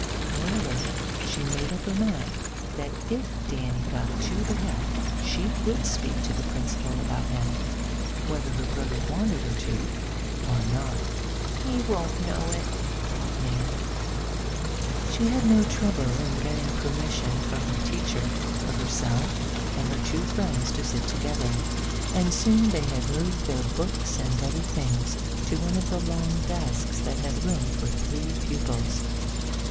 However, she made up her mind that if Danny got too bad she would speak to the principal about him, whether her brother wanted her to or not. "He won't know it," thought Nan. She had no trouble in getting permission from her teacher for herself and her two friends to sit together, and soon they had moved their books and other things to one of the long desks that had room for three pupils.